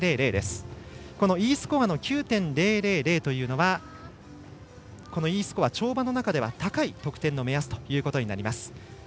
Ｅスコアの９．０００というのはこのＥスコア、跳馬の中では高い得点の目安となります。